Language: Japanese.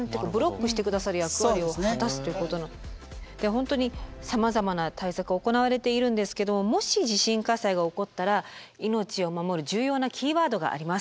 本当にさまざまな対策行われているんですけどもし地震火災が起こったら命を守る重要なキーワードがあります。